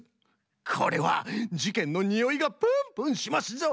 これはじけんのにおいがプンプンしますぞ！